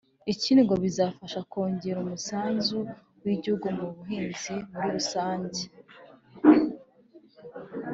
Ikindi ngo bizafasha kongera umusaruro w’igihugu mu buhinzi muri rusange